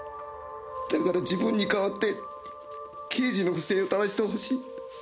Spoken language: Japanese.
だから自分に代わって刑事の不正をただしてほしい。